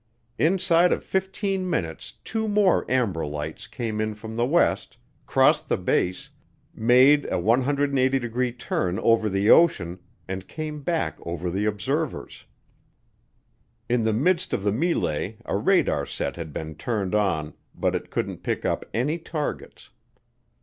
Inside of fifteen minutes two more amber lights came in from the west, crossed the base, made a 180 degree turn over the ocean, and came back over the observers. In the midst of the melee a radar set had been turned on but it couldn't pick up any targets.